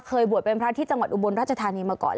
เคยบวชเป็นพระที่จังหวัดอุบลราชธานีมาก่อน